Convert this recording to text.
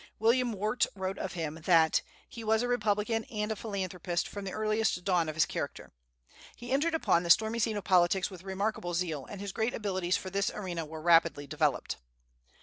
William Wirt wrote of him that "he was a republican and a philanthropist from the earliest dawn of his character." He entered upon the stormy scene of politics with remarkable zeal, and his great abilities for this arena were rapidly developed.